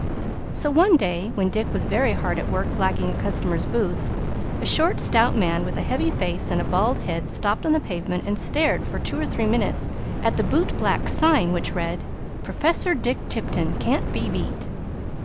So one day when Dick was very hard at work blacking a customer's boots, a short, stout man with a heavy face and a bald head stopped on the pavement and stared for two or three minutes at the bootblack's sign, which read: "PROFESSOR DICK TIPTON CAN'T BE BEAT."